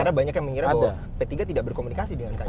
karena banyak yang mengira bahwa p tiga tidak berkomunikasi dengan pak zul